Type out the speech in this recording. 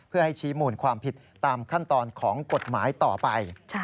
เพื่อให้ชี้มูลความผิดตามขั้นตอนของกฎหมายต่อไป